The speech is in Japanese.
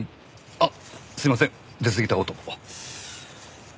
あっすいません出すぎた事を。